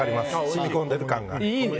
染み込んでる感が。